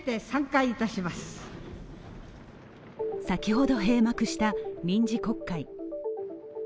先ほど閉幕した臨時国会。